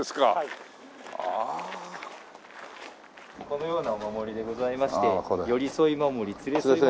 このようなお守りでございましてよりそひ